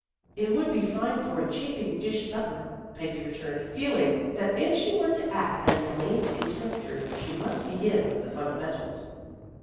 " It would be fine for a chafing dish supper," Peggy returned, feeling that if she were to act as Elaine's instructor she must begin with the fundamentals.